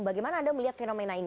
bagaimana anda melihat fenomena ini